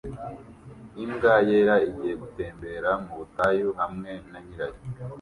Imbwa yera igiye gutembera mu butayu hamwe na nyirayo